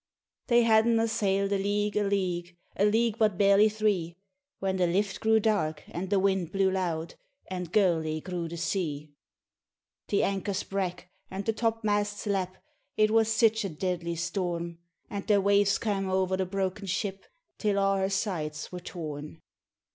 They hadna sail'd a league, a league, A league but barely three, When the lift grew dark, and the wind blew loud, And gurly grew the sea. The ankers brak, and the top masts lap, It was sic a deadly storm; And the waves cam' o'er the broken ship Till a' her sides were torn.